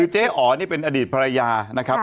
เจ๋อ๋อเป็นอดีตพระยา